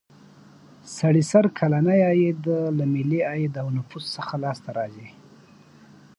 سړي سر کلنی عاید له ملي عاید او نفوسو څخه لاس ته راځي.